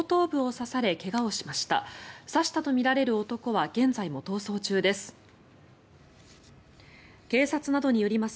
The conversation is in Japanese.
刺したとみられる男は現在も逃走中です。